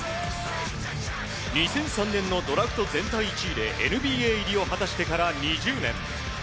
２００３年のドラフト全体１位でＮＢＡ入りを果たしてから２０年。